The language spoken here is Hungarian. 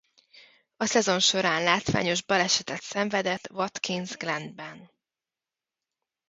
A szezon során látványos balesetet szenvedett Watkins Glenben.